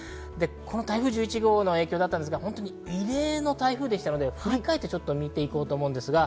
台風１１号の影響だったんですが、異例の台風でしたので、振り返ってみていこうと思います。